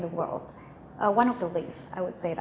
salah satu negara yang paling korupsi